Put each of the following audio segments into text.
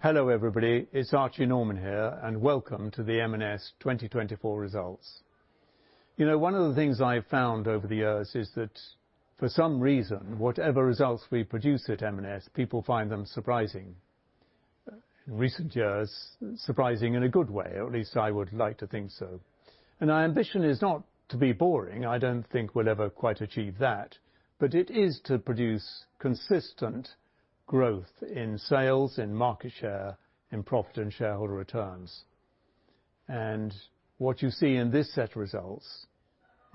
Hello, everybody. It's Archie Norman here, and welcome to the M&S 2024 results. You know, one of the things I've found over the years is that, for some reason, whatever results we produce at M&S, people find them surprising. In recent years, surprising in a good way, or at least I would like to think so. Our ambition is not to be boring. I don't think we'll ever quite achieve that, but it is to produce consistent growth in sales and market share, in profit and shareholder returns. What you see in this set of results,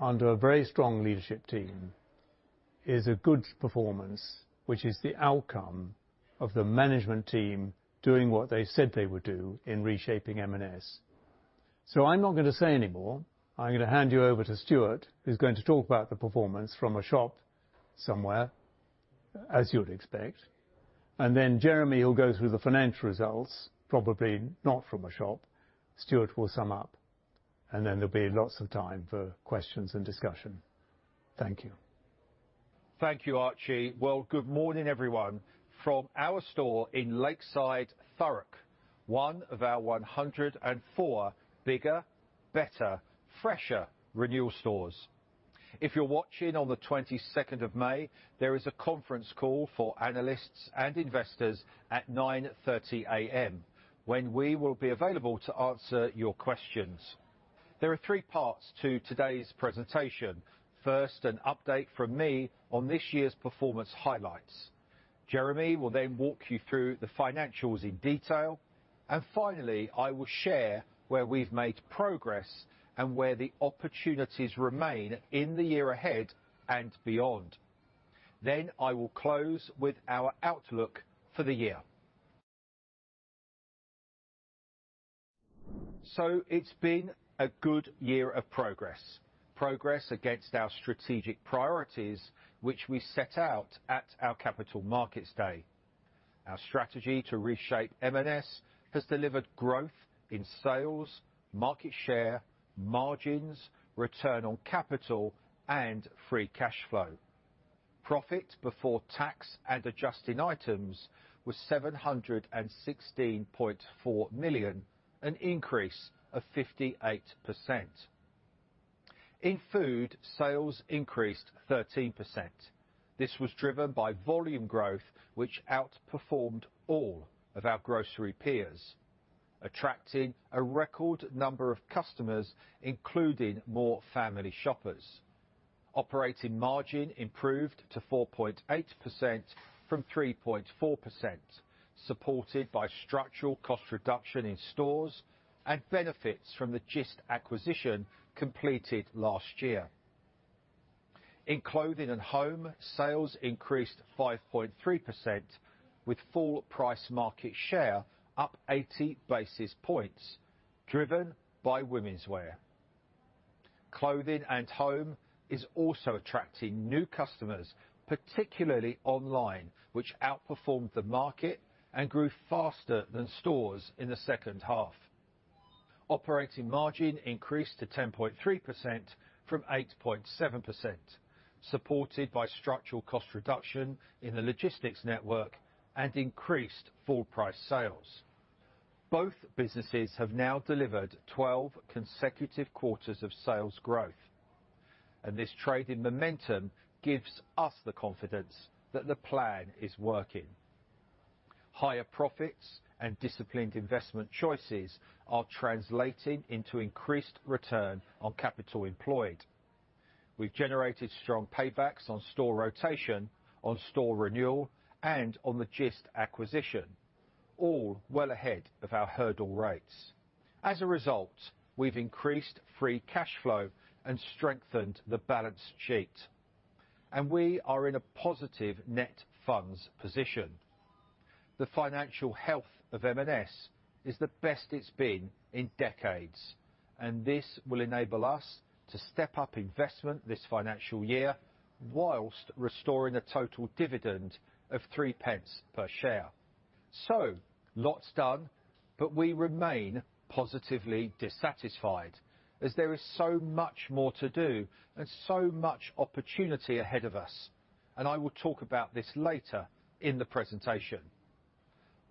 under a very strong leadership team, is a good performance, which is the outcome of the management team doing what they said they would do in reshaping M&S. So I'm not gonna say any more. I'm gonna hand you over to Stuart, who's going to talk about the performance from a shop somewhere, as you would expect. And then Jeremy will go through the financial results, probably not from a shop. Stuart will sum up, and then there'll be lots of time for questions and discussion. Thank you. Thank you, Archie. Well, good morning, everyone, from our store in Lakeside, Thurrock, one of our 104 bigger, better, fresher renewal stores. If you're watching on the May 22nd, there is a conference call for analysts and investors at 9:30 A.M., when we will be available to answer your questions. There are three parts to today's presentation. First, an update from me on this year's performance highlights. Jeremy will then walk you through the financials in detail. And finally, I will share where we've made progress and where the opportunities remain in the year ahead and beyond. Then I will close with our outlook for the year. So it's been a good year of progress, progress against our strategic priorities, which we set out at our Capital Markets Day. Our strategy to reshape M&S has delivered growth in sales, market share, margins, return on capital, and free cashflow. Profit before tax and adjusting items was 716.4 million, an increase of 58%. In food, sales increased 13%. This was driven by volume growth, which outperformed all of our grocery peers, attracting a record number of customers, including more family shoppers. Operating margin improved to 4.8% from 3.4%, supported by structural cost reduction in stores and benefits from the Gist acquisition completed last year. In Clothing & Home, sales increased 5.3%, with full price market share up 80 basis points, driven by womenswear. Clothing & Home is also attracting new customers, particularly online, which outperformed the market and grew faster than stores in the second half. Operating margin increased to 10.3% from 8.7%, supported by structural cost reduction in the logistics network and increased full price sales. Both businesses have now delivered 12 consecutive quarters of sales growth, and this trading momentum gives us the confidence that the plan is working. Higher profits and disciplined investment choices are translating into increased return on capital employed. We've generated strong paybacks on store rotation, on store renewal, and on the Gist acquisition, all well ahead of our hurdle rates. As a result, we've increased free cashflow and strengthened the balance sheet, and we are in a positive net funds position. The financial health of M&S is the best it's been in decades, and this will enable us to step up investment this financial year while restoring a total dividend of 0.03 per share. Lots done, but we remain positively dissatisfied, as there is so much more to do and so much opportunity ahead of us. I will talk about this later in the presentation.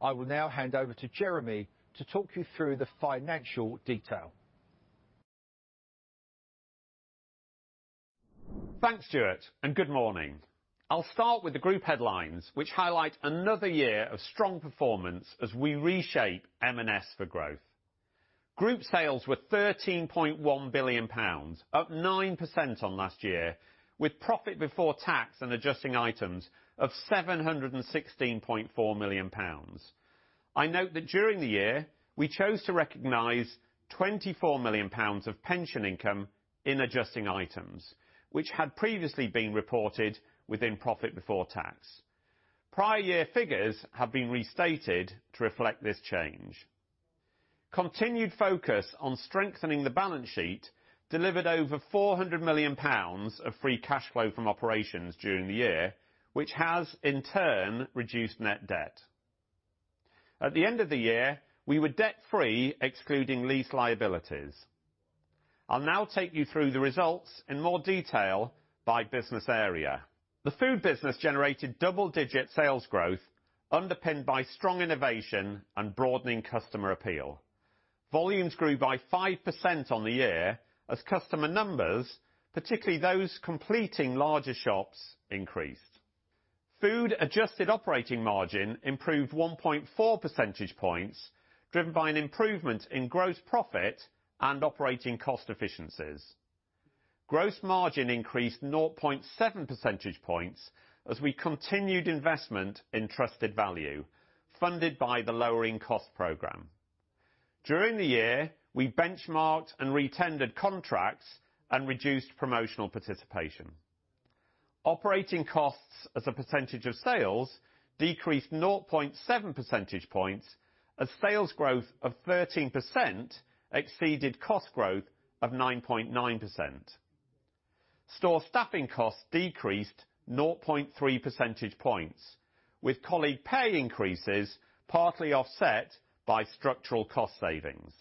I will now hand over to Jeremy to talk you through the financial detail. Thanks, Stuart, and good morning. I'll start with the group headlines, which highlight another year of strong performance as we reshape M&S for growth. Group sales were 13.1 billion pounds, up 9% on last year, with profit before tax and adjusting items of 716.4 million pounds. I note that during the year, we chose to recognize 24 million pounds of pension income in adjusting items, which had previously been reported within profit before tax. Prior year figures have been restated to reflect this change. Continued focus on strengthening the balance sheet delivered over 400 million pounds of free cashflow from operations during the year, which has, in turn, reduced net debt. At the end of the year, we were debt-free, excluding lease liabilities.... I'll now take you through the results in more detail by business area. The food business generated double-digit sales growth, underpinned by strong innovation and broadening customer appeal. Volumes grew by 5% on the year as customer numbers, particularly those completing larger shops, increased. Food adjusted operating margin improved 1.4 percentage points, driven by an improvement in gross profit and operating cost efficiencies. Gross margin increased 0.7 percentage points as we continued investment in trusted value, funded by the lowering cost program. During the year, we benchmarked and re-tendered contracts and reduced promotional participation. Operating costs as a percentage of sales decreased 0.7 percentage points as sales growth of 13% exceeded cost growth of 9.9%. Store staffing costs decreased 0.3 percentage points, with colleague pay increases partly offset by structural cost savings.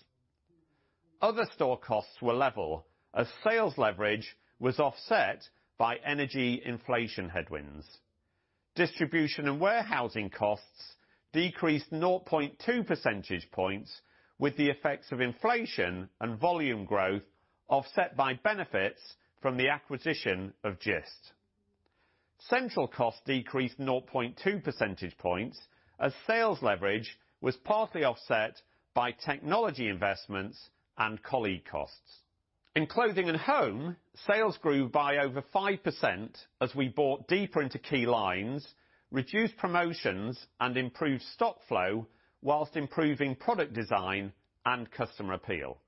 Other store costs were level, as sales leverage was offset by energy inflation headwinds. Distribution and warehousing costs decreased 0.2 percentage points, with the effects of inflation and volume growth offset by benefits from the acquisition of Gist. Central costs decreased 0.2 percentage points, as sales leverage was partly offset by technology investments and colleague costs. In Clothing & Home, sales grew by over 5% as we bought deeper into key lines, reduced promotions, and improved stock flow, whilst improving product design and customer appeal.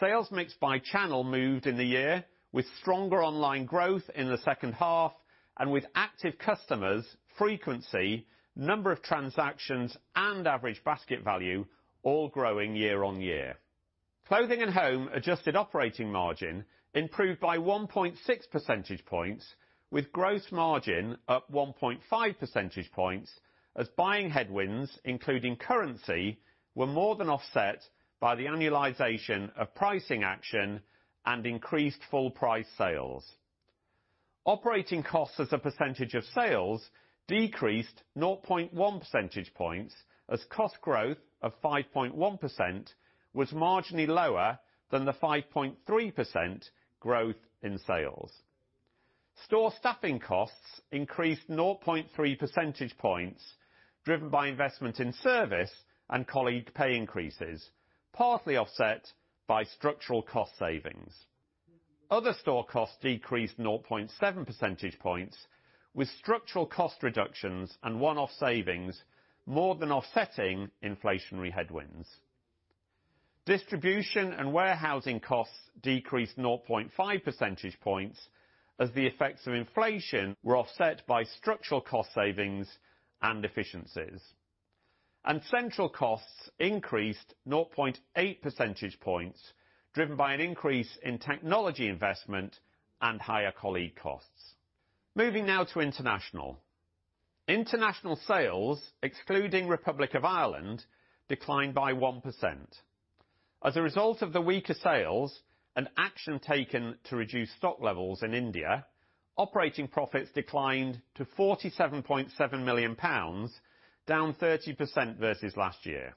Sales mix by channel moved in the year, with stronger online growth in the second half, and with active customers, frequency, number of transactions, and average basket value all growing year on year. Clothing & Home adjusted operating margin improved by 1.6 percentage points, with gross margin up 1.5 percentage points, as buying headwinds, including currency, were more than offset by the annualization of pricing action and increased full price sales. Operating costs as a percentage of sales decreased 0.1 percentage points, as cost growth of 5.1% was marginally lower than the 5.3% growth in sales. Store staffing costs increased 0.3 percentage points, driven by investment in service and colleague pay increases, partly offset by structural cost savings. Other store costs decreased 0.7 percentage points, with structural cost reductions and one-off savings more than offsetting inflationary headwinds. Distribution and warehousing costs decreased 0.5 percentage points, as the effects of inflation were offset by structural cost savings and efficiencies. Central costs increased 0.8 percentage points, driven by an increase in technology investment and higher colleague costs. Moving now to international. International sales, excluding Republic of Ireland, declined by 1%. As a result of the weaker sales and action taken to reduce stock levels in India, operating profits declined to 47.7 million pounds, down 30% versus last year.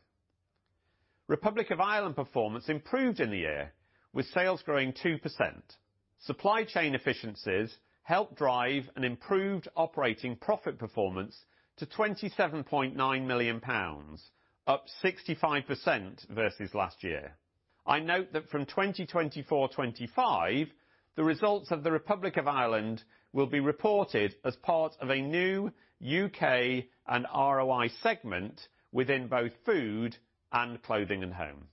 Republic of Ireland performance improved in the year, with sales growing 2%. Supply chain efficiencies helped drive an improved operating profit performance to 27.9 million pounds, up 65% versus last year. I note that from 2024/2025, the results of the Republic of Ireland will be reported as part of a new UK and ROI segment within both food and Clothing & Home.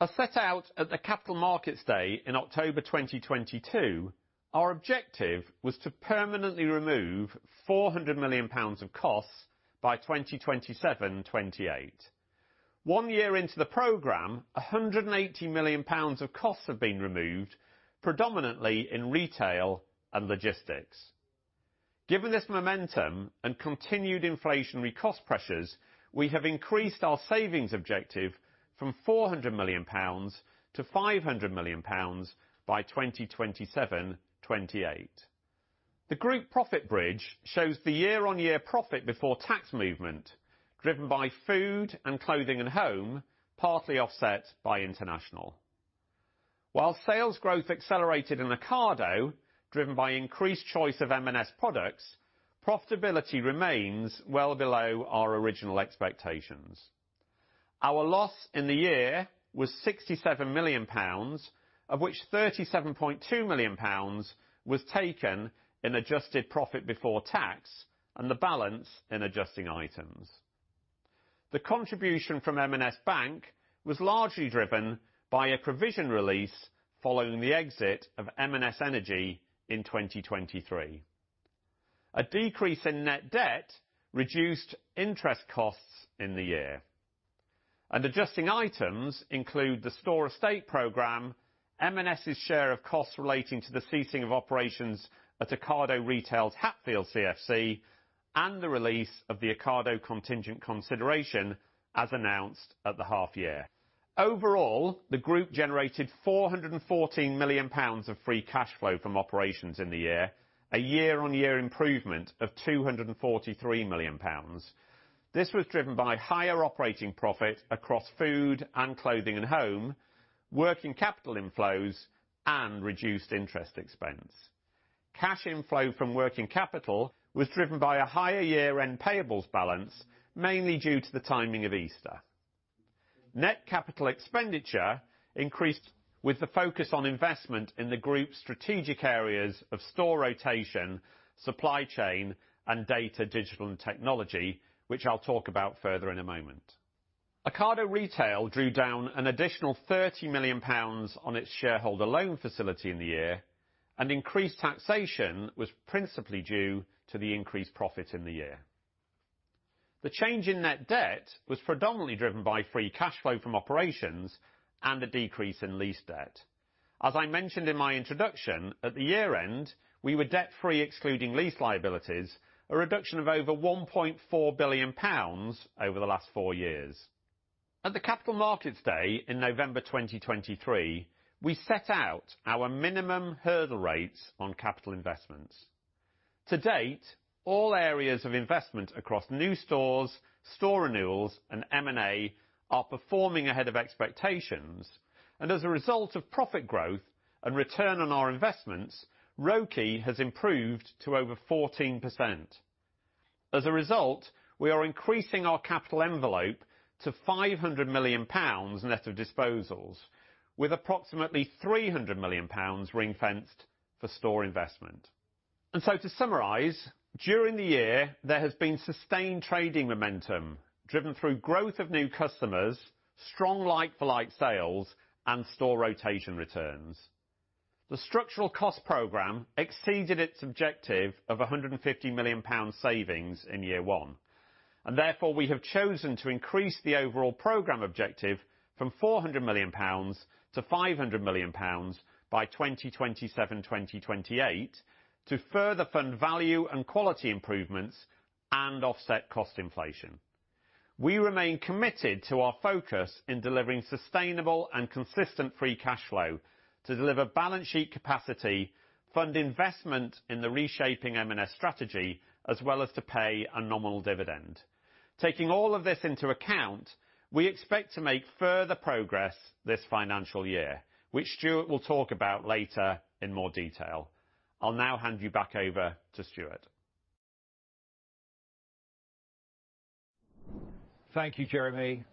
As set out at the Capital Markets Day in October 2022, our objective was to permanently remove 400 million pounds of costs by 2027/2028. One year into the program, 180 million pounds of costs have been removed, predominantly in retail and logistics. Given this momentum and continued inflationary cost pressures, we have increased our savings objective from 400 million pounds to 500 million pounds by 2027/2028. The group profit bridge shows the year-on-year profit before tax movement, driven by food and Clothing & Home, partly offset by international. While sales growth accelerated in Ocado, driven by increased choice of M&S products, profitability remains well below our original expectations. Our loss in the year was 67 million pounds, of which 37.2 million pounds was taken in adjusted profit before tax and the balance in adjusting items. The contribution from M&S Bank was largely driven by a provision release following the exit of M&S Energy in 2023. A decrease in net debt reduced interest costs in the year. Adjusting items include the store estate program, M&S's share of costs relating to the ceasing of operations at Ocado Retail's Hatfield CFC and the release of the Ocado contingent consideration, as announced at the half year. Overall, the group generated 414 million pounds of free cash flow from operations in the year, a year-on-year improvement of 243 million pounds. This was driven by higher operating profit across food and Clothing & Home, working capital inflows, and reduced interest expense. Cash inflow from working capital was driven by a higher year-end payables balance, mainly due to the timing of Easter. Net capital expenditure increased with the focus on investment in the group's strategic areas of store rotation, supply chain, and data, digital, and technology, which I'll talk about further in a moment. Ocado Retail drew down an additional 30 million pounds on its shareholder loan facility in the year, and increased taxation was principally due to the increased profit in the year. The change in net debt was predominantly driven by free cash flow from operations and a decrease in lease debt. As I mentioned in my introduction, at the year-end, we were debt-free, excluding lease liabilities, a reduction of over 1.4 billion pounds over the last four years. At the Capital Markets Day in November 2023, we set out our minimum hurdle rates on capital investments. To date, all areas of investment across new stores, store renewals, and M&A are performing ahead of expectations, and as a result of profit growth and return on our investments, ROCE has improved to over 14%. As a result, we are increasing our capital envelope to 500 million pounds net of disposals, with approximately 300 million pounds ring-fenced for store investment. And so to summarize, during the year, there has been sustained trading momentum, driven through growth of new customers, strong like-for-like sales, and store rotation returns. The structural cost program exceeded its objective of 150 million pound savings in year one, and therefore, we have chosen to increase the overall program objective from 400 million-500 million pounds by 2027, 2028, to further fund value and quality improvements and offset cost inflation. We remain committed to our focus in delivering sustainable and consistent free cashflow to deliver balance sheet capacity, fund investment in the reshaping M&S strategy, as well as to pay a nominal dividend. Taking all of this into account, we expect to make further progress this financial year, which Stuart will talk about later in more detail. I'll now hand you back over to Stuart. Thank you, Jeremy.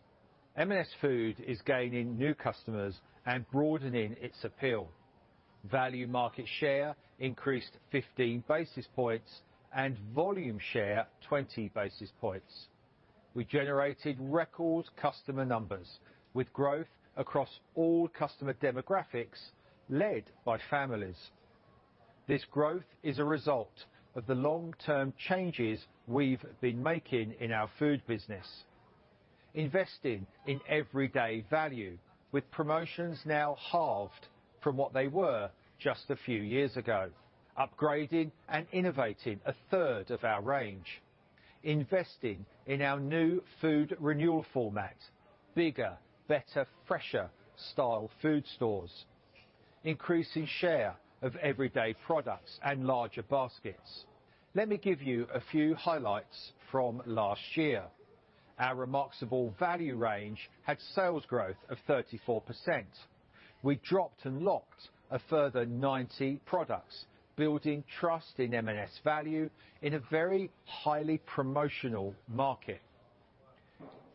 M&S Food is gaining new customers and broadening its appeal. Value market share increased 15 basis points and volume share, 20 basis points. We generated record customer numbers with growth across all customer demographics, led by families. This growth is a result of the long-term changes we've been making in our food business, investing in everyday value, with promotions now halved from what they were just a few years ago, upgrading and innovating a third of our range, investing in our new food renewal format, bigger, better, fresher style food stores, increasing share of everyday products and larger baskets. Let me give you a few highlights from last year. Our Remarksable Value range had sales growth of 34%. We dropped and locked a further 90 products, building trust in M&S value in a very highly promotional market.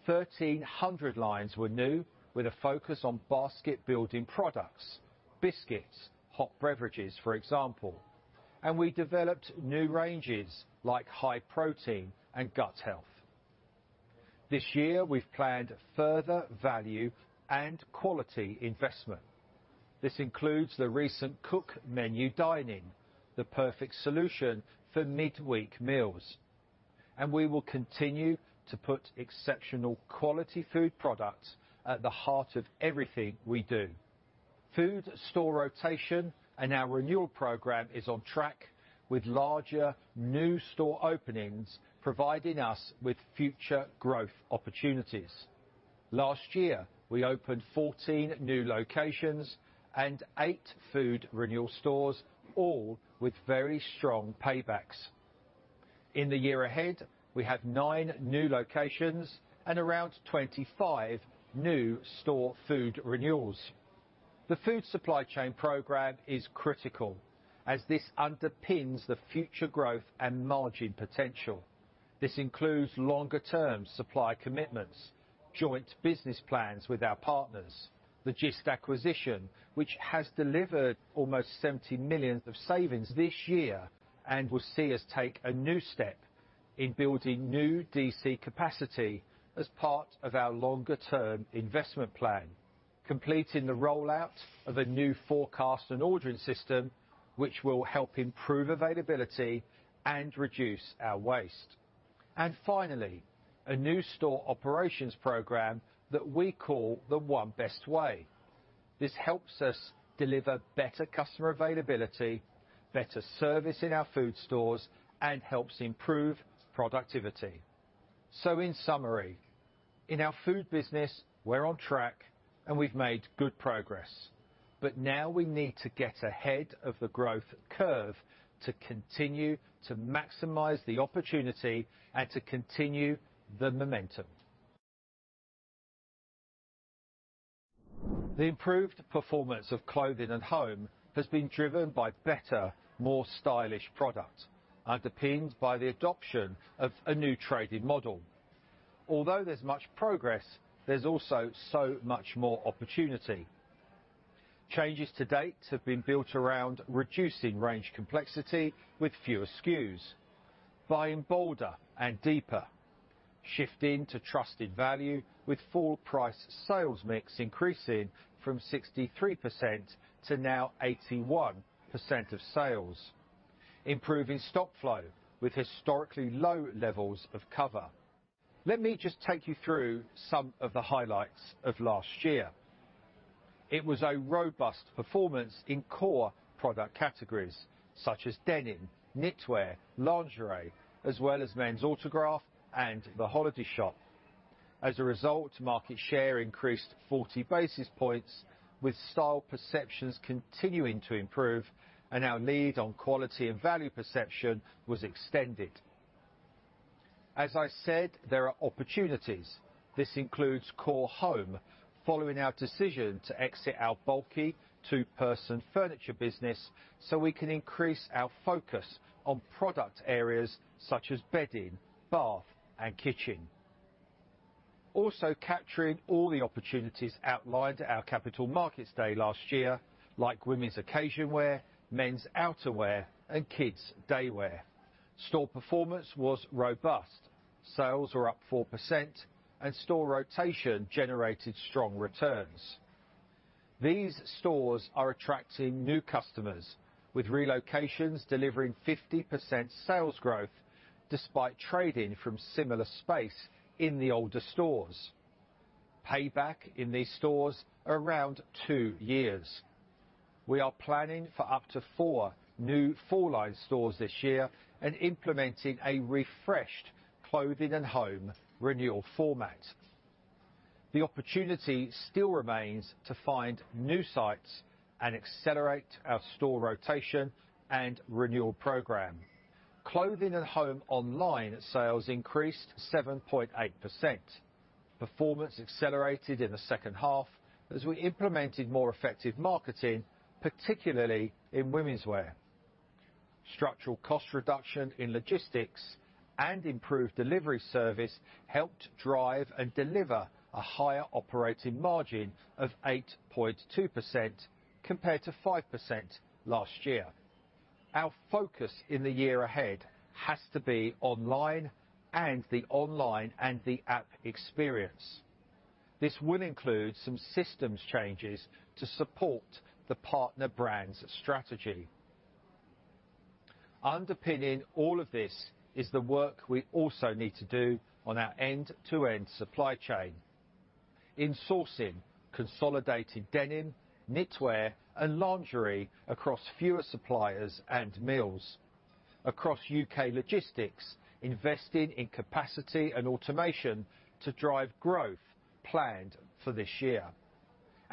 1,300 lines were new, with a focus on basket-building products, biscuits, hot beverages, for example, and we developed new ranges like high protein and gut health. This year, we've planned further value and quality investment. This includes the recent Cook Menu dining, the perfect solution for midweek meals, and we will continue to put exceptional quality food products at the heart of everything we do. Food store rotation and our renewal program is on track, with larger, new store openings providing us with future growth opportunities. Last year, we opened 14 new locations and eight food renewal stores, all with very strong paybacks. In the year ahead, we have 9 new locations and around 25 new store food renewals. The food supply chain program is critical, as this underpins the future growth and margin potential. This includes longer term supply commitments, joint business plans with our partners, the Gist acquisition, which has delivered almost 70 million of savings this year and will see us take a new step in building new DC capacity as part of our longer term investment plan, completing the rollout of a new forecast and ordering system, which will help improve availability and reduce our waste. And finally, a new store operations program that we call the One Best Way... This helps us deliver better customer availability, better service in our food stores, and helps improve productivity. So in summary, in our food business, we're on track, and we've made good progress, but now we need to get ahead of the growth curve to continue to maximize the opportunity and to continue the momentum. The improved performance of Clothing & Home has been driven by better, more stylish product, underpinned by the adoption of a new trading model. Although there's much progress, there's also so much more opportunity. Changes to date have been built around reducing range complexity with fewer SKUs, buying bolder and deeper, shifting to trusted value with full price sales mix increasing from 63% to now 81% of sales, improving stock flow with historically low levels of cover. Let me just take you through some of the highlights of last year. It was a robust performance in core product categories such as denim, knitwear, lingerie, as well as Men's Autograph and the Holiday Shop. As a result, market share increased 40 basis points, with style perceptions continuing to improve, and our lead on quality and value perception was extended. As I said, there are opportunities. This includes core home, following our decision to exit our bulky two-person furniture business, so we can increase our focus on product areas such as bedding, bath, and kitchen. Also, capturing all the opportunities outlined at our Capital Markets Day last year, like women's occasion wear, men's outerwear, and kids' daywear. Store performance was robust. Sales were up 4%, and store rotation generated strong returns. These stores are attracting new customers, with relocations delivering 50% sales growth, despite trading from similar space in the older stores. Payback in these stores are around two years. We are planning for up to four new full-line stores this year and implementing a refreshed Clothing & Home renewal format. The opportunity still remains to find new sites and accelerate our store rotation and renewal program. Clothing & Home online sales increased 7.8%. Performance accelerated in the second half as we implemented more effective marketing, particularly in womenswear. Structural cost reduction in logistics and improved delivery service helped drive and deliver a higher operating margin of 8.2%, compared to 5% last year. Our focus in the year ahead has to be online and the online and the app experience. This will include some systems changes to support the partner brands strategy. Underpinning all of this is the work we also need to do on our end-to-end supply chain. In sourcing, consolidating denim, knitwear, and lingerie across fewer suppliers and mills. Across UK logistics, investing in capacity and automation to drive growth planned for this year.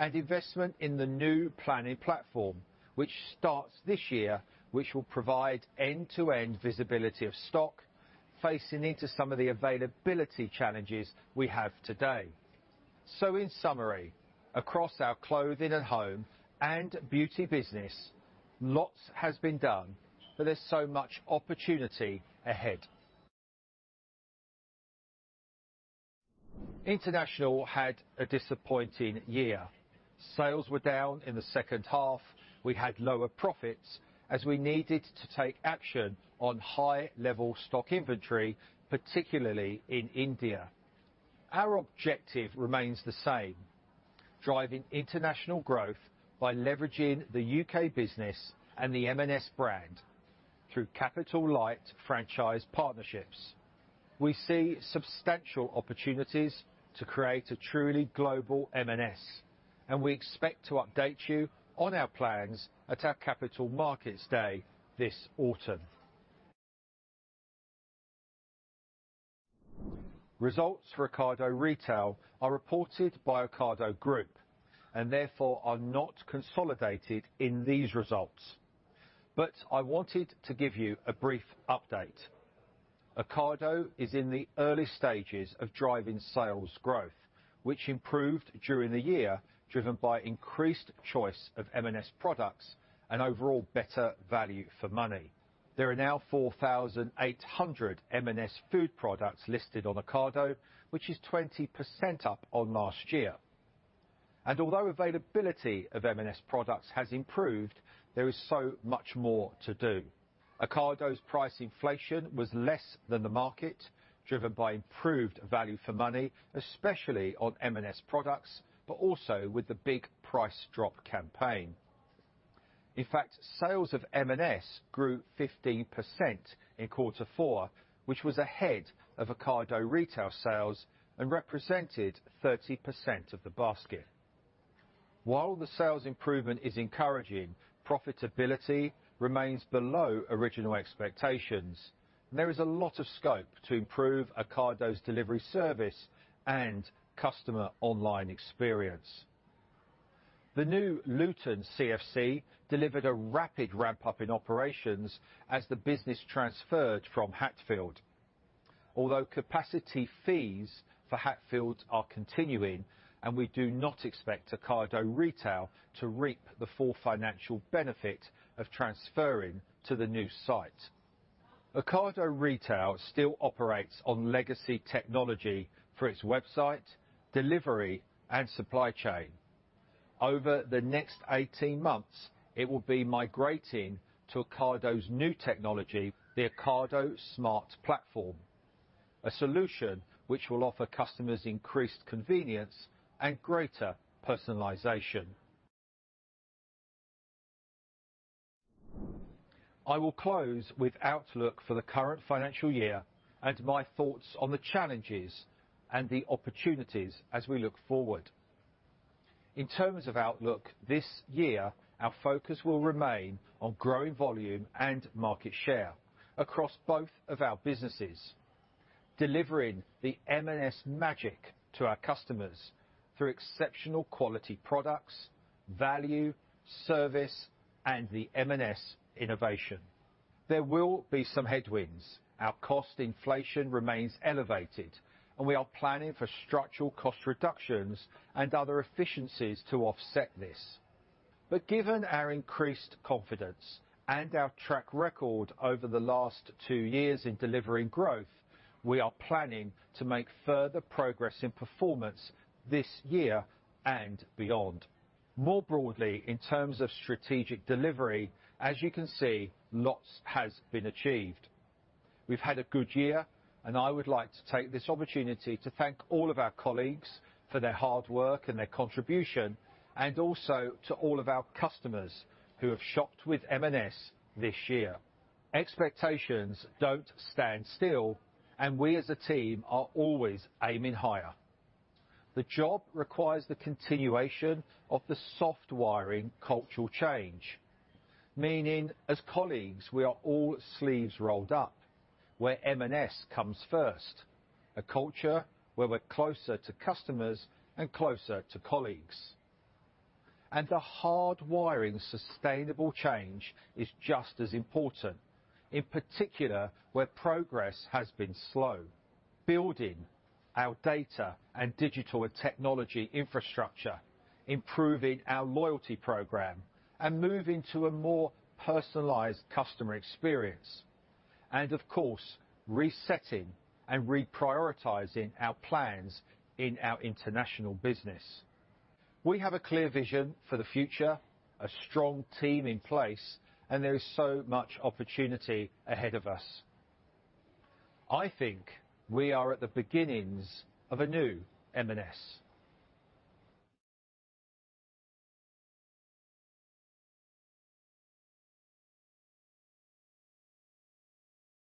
Investment in the new planning platform, which starts this year, which will provide end-to-end visibility of stock, facing into some of the availability challenges we have today. In summary, across our Clothing & Home and Beauty business, lots has been done, but there's so much opportunity ahead. International had a disappointing year. Sales were down in the second half. We had lower profits, as we needed to take action on high-level stock inventory, particularly in India. Our objective remains the same, driving international growth by leveraging the UK business and the M&S brand through capital light franchise partnerships. We see substantial opportunities to create a truly global M&S, and we expect to update you on our plans at our Capital Markets Day this autumn. Results for Ocado Retail are reported by Ocado Group, and therefore, are not consolidated in these results. I wanted to give you a brief update. Ocado is in the early stages of driving sales growth, which improved during the year, driven by increased choice of M&S products and overall better value for money. There are now 4,800 M&S food products listed on Ocado, which is 20% up on last year. Although availability of M&S products has improved, there is so much more to do. Ocado's price inflation was less than the market, driven by improved value for money, especially on M&S products, but also with the big price drop campaign. In fact, sales of M&S grew 15% in quarter four, which was ahead of Ocado Retail sales and represented 30% of the basket. While the sales improvement is encouraging, profitability remains below original expectations. There is a lot of scope to improve Ocado's delivery service and customer online experience. The new Luton CFC delivered a rapid ramp-up in operations as the business transferred from Hatfield. Although capacity fees for Hatfield are continuing, and we do not expect Ocado Retail to reap the full financial benefit of transferring to the new site. Ocado Retail still operates on legacy technology for its website, delivery, and supply chain. Over the next 18 months, it will be migrating to Ocado's new technology, the Ocado Smart Platform, a solution which will offer customers increased convenience and greater personalization. I will close with outlook for the current financial year and my thoughts on the challenges and the opportunities as we look forward. In terms of outlook this year, our focus will remain on growing volume and market share across both of our businesses, delivering the M&S magic to our customers through exceptional quality products, value, service, and the M&S innovation. There will be some headwinds. Our cost inflation remains elevated, and we are planning for structural cost reductions and other efficiencies to offset this. But given our increased confidence and our track record over the last two years in delivering growth, we are planning to make further progress in performance this year and beyond. More broadly, in terms of strategic delivery, as you can see, lots has been achieved. We've had a good year, and I would like to take this opportunity to thank all of our colleagues for their hard work and their contribution, and also to all of our customers who have shopped with M&S this year. Expectations don't stand still, and we as a team are always aiming higher. The job requires the continuation of the soft wiring cultural change, meaning as colleagues, we are all sleeves rolled up, where M&S comes first, a culture where we're closer to customers and closer to colleagues. The hard wiring sustainable change is just as important, in particular, where progress has been slow, building our data and digital and technology infrastructure, improving our loyalty program, and moving to a more personalized customer experience, and of course, resetting and reprioritizing our plans in our international business. We have a clear vision for the future, a strong team in place, and there is so much opportunity ahead of us. I think we are at the beginnings of a new M&S.